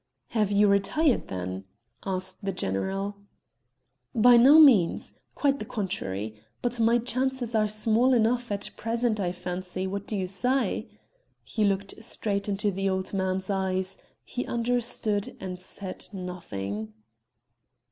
"Have you retired then?" asked the general. "By no means quite the contrary; but my chances are small enough at present I fancy; what do you say?" He looked straight into the old man's eyes; he understood and said nothing.